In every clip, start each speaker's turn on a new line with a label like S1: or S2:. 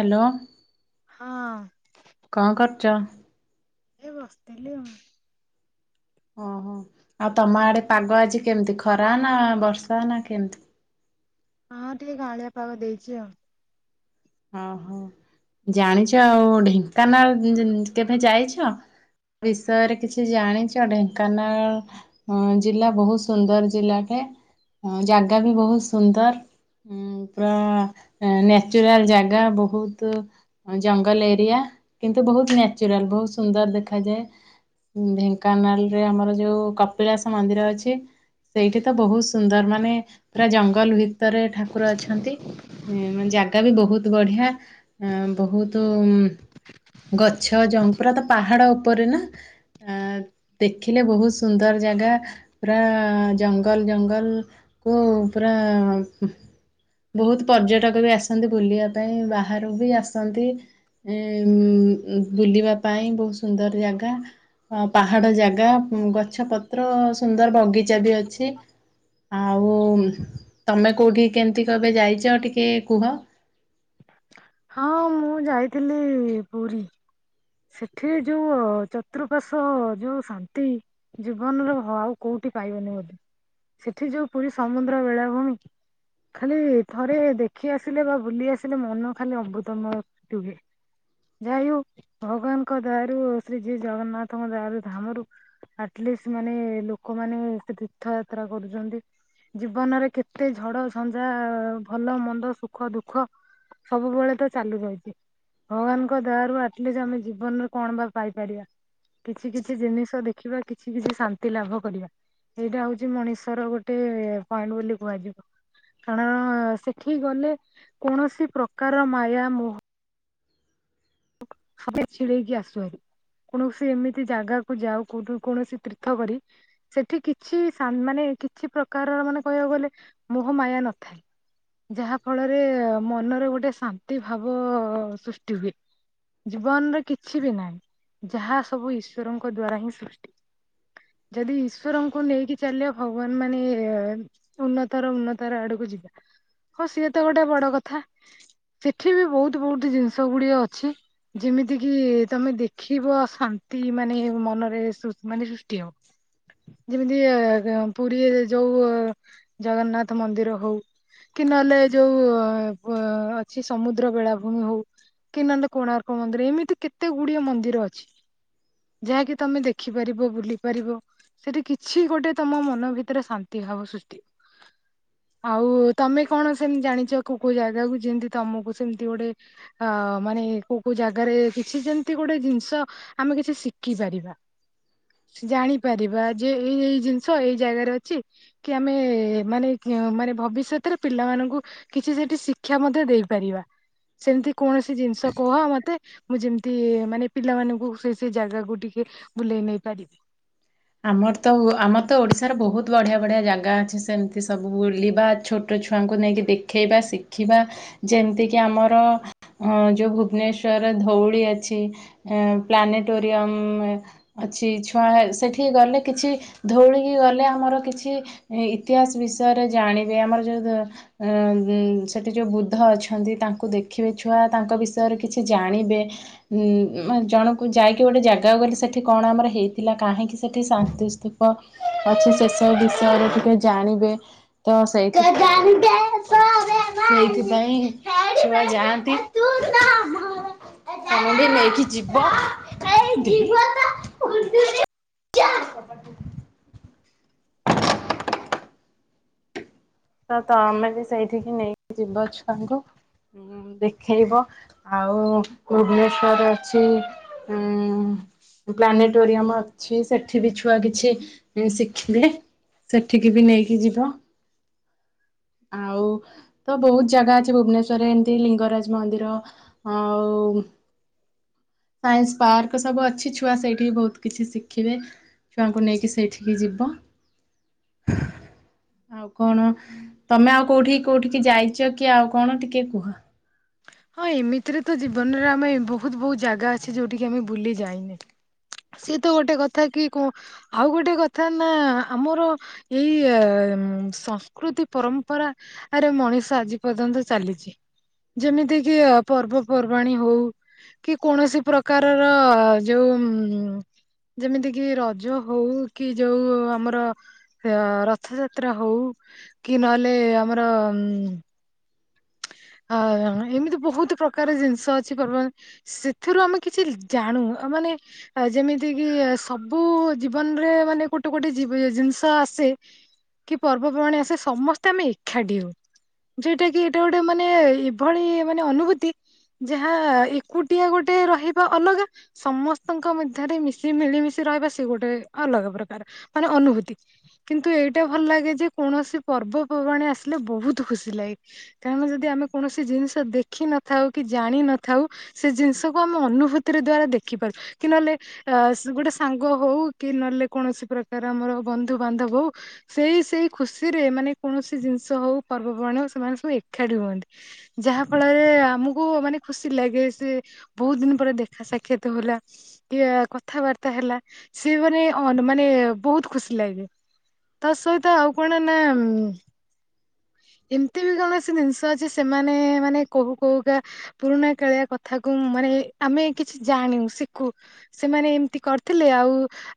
S1: Hello.
S2: ହଁ।
S1: କଣ କରୁଚ?
S2: ଏ ବସିଥିଲି ଆଉ।
S1: ଓହୋ, ଆଉ ତମ ଆଡେ ପାଗ ଆଜି କେମିତି ଖରା ନା ବର୍ଷା ନା କେମତି?
S2: ହଁ ଟିକେ କାଁଳିଆ ପାଗ ଦେଇଛି ଆଉ।
S1: ଅହଁ, ଜାଣିଛ ଆଉ ଢେଙ୍କାନାଳ [unintelligible] କେବେ ଯାଇଛ? ବିଷୟରେ କିଛି ଜାଣିଛ? ଢେଙ୍କାନାଳ ଅ ଜିଲ୍ଲା ବହୁତ ସୁନ୍ଦର ଜିଲ୍ଲାଟେ, ଜାଗା ବି ବହୁତ ସୁନ୍ଦର। ଉ ପୁରା ନ୍ୟାଚୁରାଲ ଜାଗା, ବହୁତ ଜଙ୍ଗଲ ଏରିଆ କିନ୍ତୁ ବହୁତ ନ୍ୟାଚୁରାଲ ବହୁତ ସୁନ୍ଦର ଦେଖାଯାଏ। ଢେଙ୍କାନାଳ ରେ ଆମର ଯୋଉ କପିଳାସ ମନ୍ଦିର ଅଛି ସେଇଠି ତ ବହୁତ ସୁନ୍ଦର ମାନେ ପୁରା ଜଙ୍ଗଲ ଭିତରେ ଠାକୁର ଅଛନ୍ତି। ମାନେ ଜାଗା ବି ବହୁତ ବଢିଆ। ଆ ବହୁତ ଗଛ ଜମ୍ପୁରା ତ ପାହାଡ ଉପରେ ନା? ଅ ଦେଖିଲେ ବହୁତ ସୁନ୍ଦର ଜାଗା। ପୁରା ଜଙ୍ଗଲ ଜଙ୍ଗଲକୁ ପୁରା ବହୁତ ପର୍ଯ୍ୟଟକ ବି ଆସନ୍ତି ବୁଲିବା ପାଇଁ, ବାହାରୁ ବି ଆସନ୍ତି। ଏ ବୁଲିବା ପାଇଁ ବହୁତ ସୁନ୍ଦର ଜାଗା। ଅ ପାହାଡ ଜାଗା ଗଛ, ପତ୍ର ସୁନ୍ଦର ବଗିଚା ବି ଅଛି। ଆଉ ତମେ କୋଉଠି କେମିତି କେବେ ଯାଇଛ ଟିକେ କୁହ?
S2: ହଁ ମୁଁ ଯାଇଥିଲି ପୁରୀ। ସେଠି ଯୋଉ ଚତ୍ରୁପାଶ୍ୱ ଯୋଉ ଶାନ୍ତି ଜୀବନର ଆଉ କୋଉଠି ପାଇବନି ବୋଧେ। ସେଠି ଯୋଉ ପୁରୀ ସମୁଦ୍ର ବେଳାଭୂମି ଖାଲି ଥରେ ଦେଖି ଆସିଲେ ବା ବୁଲି ଆସିଲେ ମନ ଖାଲି ଆମ୍ବୃତମୟ ରୁହେ। ଯାହାବି ହୋଉ ଭଗବାନଙ୍କ ଦୟାରୁ ଶ୍ରୀ ଜି ଜଗନ୍ନାଥଙ୍କ ଦୟାରୁ ଧାମରୁ ଆଟଲିଷ୍ଟ ମାନେ ଲୋକମାନେ [unintelligible] ତୀର୍ଥଯାତ୍ରା କରୁଚନ୍ତି। ଜୀବନରେ କେତେ ଝଡ ଝଞ୍ଜା, ଭଲ ମନ୍ଦ, ସୁଖ ଦୁଃଖ ସବୁବେଳେ ତ ଚାଲୁ ରହିଚି ଭଗବାନଙ୍କ ଦୟା ରୁ ଆ ଯେ ଆମେ ଜୀବନରେ କଣ ବା ପାଇପାରିବା। କିଛି କିଛି ଜିନିଷ ଦେଖ ଦେଖିବା କିଛି କିଛି ଶାନ୍ତି ଲାଭ କରିବା। ସେଇଟା ହଉଛି ମଣିଷର ଗୋଟେ ପଏଣ୍ଟ ବୋଲି କୁହାଯିବ। କାରଣ ସେଠି ଗଲେ କୌଣସି ପ୍ରକାର ମାୟା ମୋହ [unintelligible] ଛିଡେଇକି ଆସୁହାରି। କୌଣସି ଏମିତି ଜାଗାକୁ ଯାଅ କୋଉଠୁ କୌଣସି ତୀର୍ଥ କରି ସେଠି କିଛି ସାନ୍ ମାନେ କିଛି ପ୍ରକାରର ମାନେ କହିବାକୁ ଗଲେ ମୋହ ମାୟା ନଥାଏ। ଯାହା ଫଳରେ ମନର ଗୋଟେ ଶାନ୍ତି ଭାବ ସୃଷ୍ଟି ହୁଏ। ଜୀବନରେ କିଛି ବି ନାହିଁ, ଯାହା ସବୁ ଈଶ୍ୱରଙ୍କ ଦ୍ଵାରା ହିଁ ସୃଷ୍ଟି। ଯଦି ଈଶ୍ୱରଙ୍କୁ ନେଇକି ଚାଲିବା ଭଗବାନ ମାନେ ଉନ୍ନତର ଉନ୍ନତର ଆଡକୁ ଯିବା, ହଉ ସିଏ ତ ଗୋଟେ ବଡ କଥା ସେଠି ବି ବହୁତ ବହୁତ ଜିନିଷ ଗୁଡିଏ ଅଛି। ଯେମିତି କିି ତମେ ଦେଖିବ ଶାନ୍ତି ମାନେ ମନରେ ମାନେ ସୃଷ୍ଟି ହବ। ଯେମିତି ପୁରୀରେ ଯୋଉ ଜଗନ୍ନାଥ ମନ୍ଦିର ହଉ କି ନହେଲେ ଯୋଉ ଅଛି ସମୁଦ୍ର ବେଳାଭୂମି ହଉ, କି ନହେଲେ କୋଣାର୍କ ଶ ମନ୍ଦିର ଏମିତି କେତେ ଗୁଡିଏ ମନ୍ଦିର ଅଛି। ଯାହାକି ତମେ ଦେଖିପାରିବ ବୁଲି ପାରିବ। ସେଠି କିଛି ଗୋଟେ ତମ ମନ ଭିତରେ ଶାନ୍ତି ଭାବ ସୃଷ୍ଟି ଆଉ ତମେ କଣ ସେମତି ଜାଣିଛ କୋଉ କୋଉ ଜାଗାକୁ ଯେମିତି ତମକୁ ସେମିତି ଗୋଟେ ଅ ମାନେ ଇଏକୋ କୋଉ ଜାଗାରେ କିଛି ଯେମତି ଗୋଟେ ଜିନିଷ ଆମେ କିଛି ଶିଖି ପାରିବା। ଜାଣିପାରିବା ଯେ ଏଇ ଏଇ ଜିନିଷ ଏଇ ଜାଗାରେ ଅଛି କି ଆମେ ମାନେ କି ମାନେ ଭବିଷ୍ୟତରେ ପିଲାମାନଙ୍କୁ କିଛି ସେଠି ଶିକ୍ଷା ମଧ୍ୟ ଦେଇପାରିବା ସେମିତି କୌଣସି ଜିନିଷ କୁହ ମ ମୁଁ ଯେମିତି ମାନେ ପିଲାମାନଙ୍କୁ ସେ ସେ ଜାଗାକୁ ଟିକେ ବୁଲେଇ ନେଇ ପାରିବି।
S1: ଆମର ତ ଆମର ତ ଓଡିଶାର ବହୁତ ବଢିଆ ବଢିଆ ଜାଗା ଅଛି ସେମିତି ସବୁ ବୁଲିବା ଛୋ ଛୋଟ ଛୁଆଙ୍କୁ ନେଇକି ଦେଖେଇବା ଶିଖିବା ଯେମିତିକି ଆମର ଅ ଯୋଉ ଭୁବନେଶ୍ଵରରେ ଧଉଳି ଅଛି, ଉଁ ପ୍ଲାନେଟୋରିୟମ। ଅଛି ଛୁଆ ସେଠି ଗଲେ କିଛି ଧଉଳିକି ଗଲେ ଆମର କିଛି ଇତିହାସ ବିଷୟରେ ଜାଣିବେ, ଆମର ଯୋଉ ସେଠି ଯେଉଁ ବୁଦ୍ଧ ଅଛନ୍ତି ତାଙ୍କୁ ଦେଖିବେ ଛୁଆ ତାଙ୍କ ବିଷୟରେ କିଛି ଜାଣିବେ। ଉଁ ଜଣକୁ ଯାଇକି ଗୋଟେ ଜାଗାକୁ ଗଲେ ସେଠି କଣ ଆମର ହେଇଥିଲା କାହିଁକି। ସେଠି ଶାନ୍ତି ସ୍ଥୂପ ଅଛି, ସେସବୁ ବିଷୟରେ ଟିକେ ଜାଣିବେ। ତ ସେଇ ସେଇଥିପାଇଁ ଛୁଆ ଯାଆନ୍ତି। [inaudible] ତମ ବି ନେଇକି ଯିବ। [inaudible] ତ ତମେ ବି ସେଇଠିକି ନେଇକି ଯିବ ଛୁଆଙ୍କୁ ଦେଖେଇବ। ଆଉ ଭୁବନେଶ୍ଵର ଅଛି ଉ ପ୍ଲାନେଟୋରିୟମ ଅଛି ସେଠି ବି ଛୁଆ କିଛି ଶିଖିବେ। ସେଠିକି ବି ନେଇକି ଯିବ। ଆଉ ତ ବହୁତ ଜାଗା ଅଛି ଭୁବନେଶ୍ଵରରେ, ଏମତି ଲିଙ୍ଗରାଜ ମନ୍ଦିର ଆଉ ସାଇନ୍ସ ପାର୍କ ସବୁ ଅଛି ଛୁଆ ସେଇଠି ବି ବହୁତ କିଛି ଶିଖିବେ। ଛୁଆଙ୍କୁ ନେଇକି ସେଇଠିକି ଯିବ। ଆଉ କଣ ତମେ ଆଉ କୋଉଠି କୋଉଠିକି ଯାଇଛ କି ଆଉ କଣ ଟିକେ କୁହ?
S2: ହଁ ଏମିତିରେ ତ ଜୀବନରେ ଆମେ ବହୁତ ବହୁତ ଜାଗା ଅଛି ଯୋଉଠିକି ଆମେ ବୁଲି ଯାଇନେ। ସିଏ ତ ଗୋଟେ କଥା କି କଣ ଆଉ ଗୋଟେ କଥା ନା ଆମର। ଏଇ ସଂସ୍କୃତି ପରମ୍ପରା। ଆରେ ମଣିଷ ଆଜି ପର୍ଯ୍ୟନ୍ତ ଚାଲିଛି। ଯେମିତି କିି ଅ ପର୍ବପର୍ବାଣୀ ହଉ। କି କୌଣସି ପ୍ରକାରର ଯୋଉ ଯେମିତି କିି ରଜ ହଉ କି ଯୋଉ ଆମର ସେ ରଥଯାତ୍ରା ହଉ କି ନହେଲେ ଆମର ଉ ଆ ଏମିତି ବହୁତ ପ୍ରକାର ଜିନିଷ ଅଛି ପର୍ବ ସେଥିରୁ ଆମେ କିଛି ଜାଣୁ ମାନେ ଆ ଯେମିତି କିି ସବୁ-ଉ ଜୀବନରେ ମାନେ ଗୋଟେ ଗୋଟେ ଜିବି ଜିନିଷ ଆସେ କି ପର୍ବପର୍ବାଣି ଆସେ ସମସ୍ତେ ଆମେ ଏଖାଟି ହୋଉ, ଯଉଟା କି ଟା ଗୋଟେ ମାନେ ଏଭଳି ମାନେ ଅନୁଭୂତି ଯାହା-ଆ ଏକୁଟିଆ ଗୋଟେ ରହିବା ଅଲଗା ସମସ୍ତଙ୍କ ମଧ୍ୟରେ ମିଶି ମିଳିମିଶି ରହିବା ସିଏ ଗୋଟେ ଅଲଗା ପ୍ରକାର ମାନେ ଅନୁଭୂତି। କିନ୍ତୁ ଏଇଟା ଭଲ ଲାଗେ ଯେ କୌଣସି ପର୍ବପର୍ବାଣୀ ଆସିଲେ ବୋହୁତ ଖୁସି ଲାଗେ। କାରଣ ଯଦି ଆମେ କୌଣସି ଜିନିଷ ଦେଖିନଥାଉ କି ଜାଣିିନଥାଉ ସେ ଜିନିଷକୁ ଆମେ ଅନୁଭୂତିରେ ଦ୍ଵାରା ଦେଖିପାରୁ କି ନହେଲେ ଅ ସ୍ ଗୋଟେ ସାଙ୍ଗ ହୋଉ କି ନଲେ କୌଣସି ପ୍ରକାର ଆମର ବନ୍ଧୁ ବାନ୍ଧବ ହଉ। ସେଇ ସେଇ ଖୁସିରେ ମାନେ କୌଣସି ଜିନିଷ ହୋଉ ପର୍ବପର୍ବାଣି ହୋଉ ସେମାନେ ସବୁ ଏଖାଟି ରୁହନ୍ତି। ଯାହା ଫଳରେ ଆମକୁ ମାନେ ଖୁସି ଲାଗେ ସେ ବୋହୁତ ଦିନ ପରେ ଦେଖା ସାକ୍ଷାତ ହୋଲା ଇଏ କଥାବାର୍ତ୍ତା ହେଲା ସିଏ ମାନେ ଅନ୍ ମାନେ ବୋହୁତ ଖୁସି ଲାଗେ। ତା ସହିତ ଆଉ କଣ ନା ଉମ୍ ଏମିତି ବି କୌଣସି ଜିନିଷ ଅଛି ସେମାନେ-ଏ ମାନେ କୋହୁ କୋହୁକା ପୁରୁଣା କାଳିଆ କଥାକୁ ମାନେ ଆମେ କିଛି ଜାଣୁ, ଶିଖୁ। ସେମାନେ ଏମ୍ତି କରିଥିଲେ ଆଉ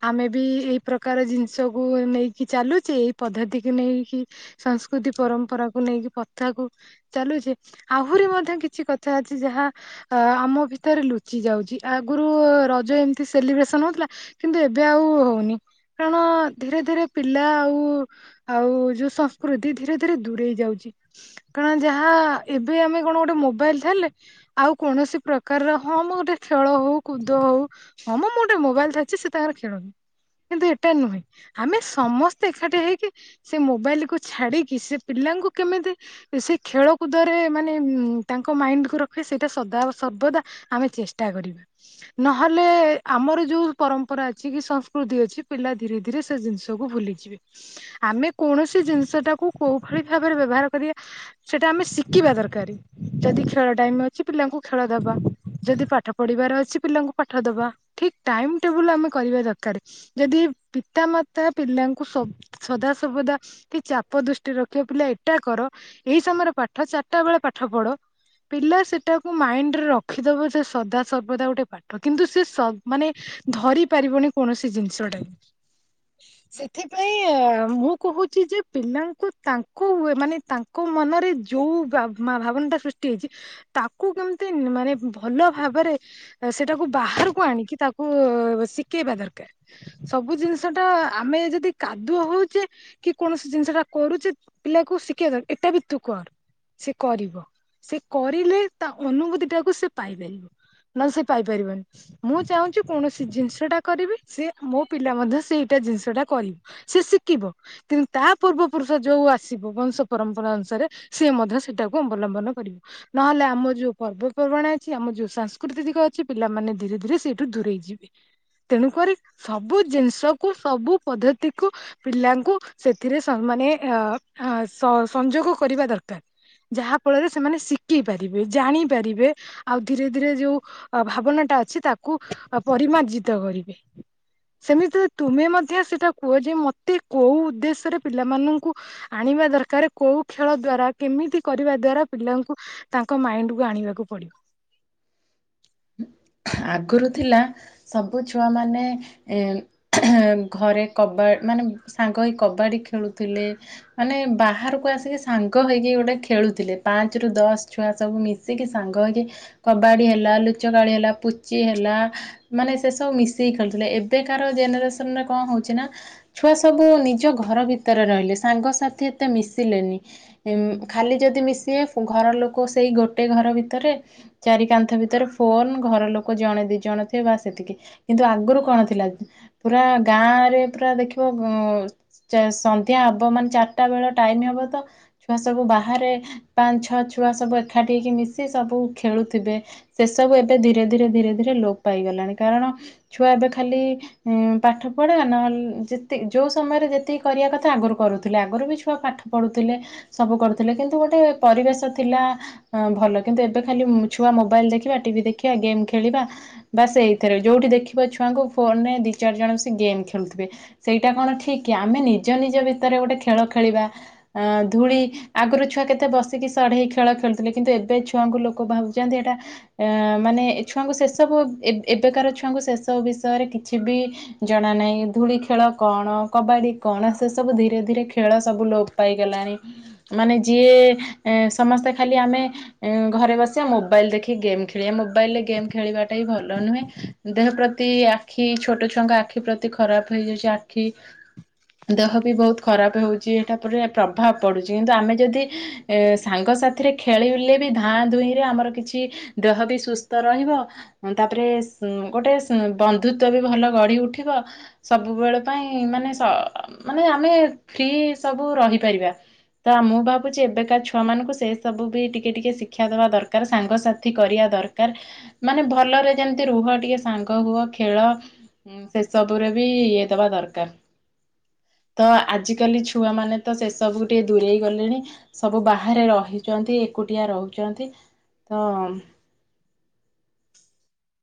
S2: ଆମେ ବି ଏଇ ପ୍ରକାର ଜିନିଷକୁ ନେଇକି ଚାଲୁଚେ, ଏଇ ପଦ୍ଧତିକୁ ନେଇକି ସଂସ୍କୃତି ପରମ୍ପରାକୁୁ ନେଇକି ପଥାକୁ ଚାଲୁଛି, ଆହୁରି ମଧ୍ୟ କିଛି କଥା ଅଛି ଯାହା ଆ ଆମ ଭିତରେ ଲୁଚି ଯାଉଚି ଆଗୁରୁ-ଉ ରଜ ଏମିତି ସେଲିବ୍ରେସନ ହଉଥିଲା। କିନ୍ତୁ ଏବେ ଆଉ ହୋଉନି କାରଣ ଧୀରେ ଧୀରେ ପିଲା ଆଉ ଆଉ-ଉ ଯୋଉ ସଂସ୍କୃତି ଧୀରେ ଧୀରେ ଦୂରେଇ ଯାଉଚି। କାରଣ ଯାହା ଏବେ ଆମେ କଣ ଗୋଟେ ମୋବାଇଲ୍ ଠାଲେ ଆଉ କୌଣସି ପ୍ରକାରର ହଁମ ଗୋଟେ ଖେଳ ହୋଉ କୁଦ ହୋଉ ହଁମ ମୁଁ ଓଟେ ମୋବାଇଲ୍ ଧରିଚି ସେ ତାଙ୍କର ଖେଳନ୍ତୁ। କିନ୍ତୁ ଏଟା ନୁହେଁ ଆମେ ସମସ୍ତେ ଏଖାଟି ହେଇକି ସେ ମୋବାଇଲ୍ କୁ ଛାଡି କି ସେ ପିଲାଙ୍କୁ କେମିତି ସେ ଖେଳକୁଦରେ ମାନେ ଉମ୍ ତାଙ୍କ ମାଇଣ୍ଡକୁୁ ରଖି ସେଇଟା ସଦା ସର୍ବଦା ଆମେ ଚେଷ୍ଟା କରିବା। ନହେଲେ ଆମର ଯୋଉ ପରମ୍ପରା ଅଛି କି ସଂସ୍କୃତି ଅଛି ପିଲା ଧୀରେ ଧୀରେ ସେ ଜିନିଷ ତବୁ ଭୁଲିଯିବେ ଆମେ କୌଣସି ଜିନିଷଟାକୁ କୋଉ ଭଳି ଭାବରେ ବ୍ୟବହାର କରିଆ ସେଟା ଆମେ ଶିକିବା ଦର୍କାରେ। ଯଦି ଖେଳ ଟାଇମ୍ ଅଛି ପିଲାଙ୍କୁ ଖେଳ ଦବା, ଯଦି ପାଠ ପଢିବାର ଅଛି ପିଲାଙ୍କୁ ପାଠ ଦବା। ଠିକ୍ ଟାଇମ୍ ଟେବୁଲ୍ ଆମେ କରିବା ଦର୍କାରେ। ଯଦି ପିତା ମାତା ପିଲାଙ୍କୁ ସବ୍ ସଦା ସର୍ବଦା କି ଚାପ ଦୃଷ୍ ଟି ରଖିବା ପିଲା ଏଟା କର ଏଇ ସମୟରେ ପାଠ ଚାରିଟା ବେଳେ ପାଠପଢ ପିଲା ସେଟାକୁ ମାଇଣ୍ଡରେ ରଖିଦବ ସେ ସଦା ସର୍ବଦା ଗୋଟେ ପା ଠ କିନ୍ତୁ ସେ ସ ମାନେ ଧରି ପାରିବନି କୌଣସି ଜିନିଷଟାକୁ। ସେଥିପାଇଁ-ଇ ମୁଁ କୋହୁଛି ଯେ ପିଲାଙ୍କୁ ତାଙ୍କୁ ୱେ ମାନେ ତାଙ୍କ ମନରେ ଯୋଉ ବା ମା ଭାବନଟା ସୃଷ୍ଟି ହେଇଚି ତାକୁ କେମିତି ନ୍ ମାନେ ଭଲ ଭାବରେ ସେଟାକୁ ବାହାରକୁ ଆଣିକି ତାକୁ-ଉ ଶିକେଇବା ଦର୍କାର, ସବୁ ଜିନିଷ ଷଟା-ଆ ଆମେ ଯଦି କାଦୁଅ ହୋଉଚେ କି କୌଣସି ଜିନିଷଟା କରୁଚେ ପିଲାକୁ ଶିକିଆ ଦର୍ ଏଟା ବି ତୁ କର୍। ସେ କରିବ ସେ କରିଲେ ତା ଅନୁଭୂତିଟାକୁ ସେ ପାଇପାରିବ। ନହେଲେ ସେ ପାଇପାରିବନି। ମୁଁ ଚାହୁଁଛି କୌଣସି ଜିନିଷଟା କରିବି ସେ ମୋ ପିଲା ମଧ୍ୟ ସେଇଟା ଜିନିଷଟା କରିବ। ସେ ଶିକିବ କିନ୍ତୁ ତା ପୂର୍ବପୁରୁଷ ଯୋଉ ଆସିବ ବଂଶ ପରମ୍ପରା ଅନୁସାରେ ସିଏ ମଧ୍ୟ ସେଟାକୁ ଅବଲମ୍ବନ କରିବ। ନହେଲେ ଆମ ଯୋଉ ପର୍ବପର୍ବାଣି ଅଛି ଆମ ଯୋଉ ସାଂସ୍କୃତିକ ଅଛି ପିଲାମାନେ ଧୀରେ-ଧୀରେ ସେଇଠୁ ଦୂରେଇ ଯିବେ। ତେଣୁକରି ସବୁ ଜିନିଷକୁ ସବୁ ପଦ୍ଧତିକୁ ପିଲାଙ୍କୁ ସେଥିରେ ମାନେ ଅ-ଅ ସଂଯୋଗ କରିବା ଦରକାର। ଯାହା ଫଳରେ ସେମାନେ ଶିକିପାରିବେ ଜାଣିପାରିବେ ଆଉ ଧୀରେ-ଧୀରେ ଯୋଉ ଅ ଭାବନାଟା ଅଛି ତାକୁ ପରିମାର୍ଜିତ କରିବେ। ସେମିତିରେ ତୁମେ ମଧ୍ୟ ସେଇଟା କୁହ ଯେ ମତେ କୋଉ ଉଦ୍ଦେଶ୍ୟରେ ପିଲାମାନଙ୍କୁ ଆଣିବା ଦରକାର କୋଉ ଖେଳ ଦ୍ଵାରା କେମିତି କରିବା ଦ୍ଵାରା ପିଲାଙ୍କୁ ତାଙ୍କ ମାଇଣ୍ଡକୁୁ ଆଣିବାକୁ ପଡିବ।
S1: ଆଗରୁ ଥିଲା ସବୁ ଛୁଆମାନେ ଏ ଘରେ କବା ମାନେ ସାଙ୍ଗ ହେଇ କବାଡ଼ି ଖେଳୁଥିଲେ। ମାନେ ବାହାରକୁ ଆସିକି ସାଙ୍ଗ ହେଇକି ଗୋଟେ ଖେଳୁଥିଲେ ପାଞ୍ଚ ରୁ ଦଶ ଛୁଆ ସବୁ ମି ଶିକି ସାଙ୍ଗ ହେଇକି କବାଡ଼ି ହେଲା ଲୁଚକାଳି ହେଲା ପୁଚି ହେଲା ମାନେ ସେସବୁ ମିଶିକି ଖେଳୁଥିଲେ, ଏବେକାର ଜେନେରେସନରେ କଣ ହେଉଛି ନା ଛୁଆ ସବୁ ନିଜ ଘର ଭିତରେ ରହିଲେ ସାଙ୍ଗସାଥି ଏତେ ମିଶିଲେନି। ଖାଲି ଯଦି ମିଶିବେ ଘରଲୋକ ସେଇ ଗୋଟେ ଘର ଭିତରେ। ଚାରି କାନ୍ଥ ଭିତରେ ଫୋନ୍ ଘର ଲୋକ ଜଣେ ଦି ଜଣ ବା ସେତିକି କିନ୍ତୁ ଆଗରୁ କଣ ଥିଲା ପୁରା ଗାଁରେ ପୁରା ଦେଖିବ ଗ ସନ୍ଧ୍ୟା ହେବ ମାନେ ଚାରିଟା ବେଳ ଟାଇମ ହେବ ତ ଛୁଆ ସବୁ ବାହାରେ ପାଞ୍ଚ ଛଅ ଛୁଆ ସବୁ ଏକାଠି ହେଇକି ମିଶି ସବୁ ଖେଳୁଥିବେ। ସେ ସବୁ ଏବେ ଧୀରେ ଧୀରେ ଧୀରେ ଧୀରେ ଲୋପ ପାଇଗଲାଣି କାରଣ ଛୁଆ ଏବେ ଖାଲି ଉଁ ପାଠ ପଢା ନହେଲେ ଯେ ଯୋଉ ସମୟରେ ଯେତିକି କରିବା କଥା ଆଗରୁ କରୁଥିଲେ ଆଗରୁ ବି ଛୁଆ ପାଠ ପଢୁଥିଲେ ସବୁ କରୁଥିଲେ କିନ୍ତୁ ଗୋଟେ ପରିବେଶ ଥିଲା ଭଲ କିନ୍ତୁ ଏବେ ଖାଲି ଛୁଆ ମୋବାଇଲ ଦେଖିବା ଟିଭି ଦେଖିବା ଗେମ୍ ଖେଳିବା ବାସ୍ ଏଇଥିରେ ଯୋଉଠି ଦେଖିବ ଛୁଆଙ୍କୁ ଫୋନରେ ଦି ଚାରି ଜଣ ମିଶି ଗେମ୍ ଖେଳୁଥିବେ। ସେଇଟା କଣ ଠିକ କି ଆମେ ନିଜ ନିଜ ଭିତରେ ଗୋଟେ ଖେଳ ଖେଳିବା ଅ ଧୂଳି ଆଗରୁ ଛୁଆ କେତେ ବସିକି ସଢେଇ ଖେଳ ଖେଳୁଥିଲେ କିନ୍ତୁ ଏବେ ଛୁଆଙ୍କୁ ଲୋକ ଭାବୁଛନ୍ତି ଏଇଟା ଅ ମାନେ ଛୁଆଙ୍କୁ ସେଷବୁ ଏବେକାର ଛୁଆଙ୍କୁ ଶେସବୁ ବିଷୟରେ କିଛି ବି ଜଣା ନାହିଁ ଧୂଳି ଖେଳ କଣ କବାଡି କଣ ସେ ସବୁ ଧୀରେ ଧୀରେ ଖେଳ ସବୁ ଲୋପ ପାଇଗଲାଣି ମାନେ ଯିଏ ସମସ୍ତେ ଖାଲି ଆମେ ଇଁ ଘରେ ବସିବା ମୋବାଇଲ ଦେଖିକି ଗେମ୍ ଖେଳିବା ମୋବାଇଲ ରେ ଗେମ୍ ଖେଳିବାଟା ହି ଭଲ ନୁହେଁ। ଦେହ ପ୍ରତି ଆଖି ଛୋଟ ଛୁଆଙ୍କ ଆଖି ପ୍ରତି ଖରାପ ହେଇଯାଇଛି ଆଖି ଦେହ ବି ବହୁତ ଖରାପ ହେଉଛି ଏଟା ପୁରା ପ୍ରଭାବ ପଡୁଛି କିନ୍ତୁ ଆମେ ଯଦି ଏ ସାଙ୍ଗସାଥିରେ ଖେଳିଲେ ବି ଧାଁ ଧୁଇଁ ରେ ଆମର କିଛି ଦେହ ବି ସୁସ୍ଥ ତ ରହିବ ତାପରେ ଉ ଗୋଟେ ବନ୍ଧୁତ୍ୱ ବି ଭଲ ଗଢି ଉଠିବ ସବୁବେଳ ପାଇଁ ମାନେ ମାନେ ଆମେ ଫ୍ରି ସବୁ ରହିପାରିବା। ତ ମୁଁ ଭାବୁଛି ଏବେକା ଛୁଆମାନଙ୍କୁ ସେ ସବୁ ବି ଟିକେ ଟିକେ ଶିକ୍ଷା ଦେବା ଦରକାର ସାଙ୍ଗସାଥି କରିବା ଦରକାର କାର ମାନେ ଭଲରେ ଯେମିତି ରୁହ ଟିକେ ସାଙ୍ଗ ହୁଅ ଖେଳ ହଁ ସେ ସବୁ ରେ ବି ଇଏ ଦବା ଦରକାର। ତ ଆଜିକାଲି ଛୁଆମାନେ ତ ସେ ସବୁ ଟିକେ ଦୂରେଇ ଗଲେଣି ସବୁ ବାହାରେ ରହିଛନ୍ତି ଏକୁଟିଆ ରହୁଛନ୍ତି ତ
S2: [inaudible]